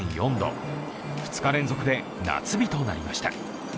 ２日連続で夏日となりました。